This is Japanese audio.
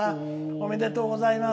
おめでとうございます。